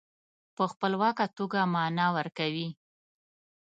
په خپلواکه توګه معنا ورکوي.